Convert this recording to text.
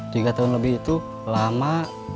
tiga tahun lebih itu lama